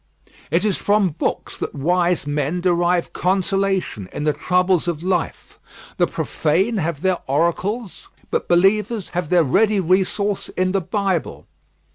It is from books that wise men derive consolation in the troubles of life. The profane have their oracles; but believers have their ready resource in the Bible.